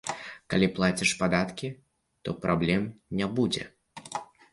Калі плаціш падаткі, то праблем не будзе.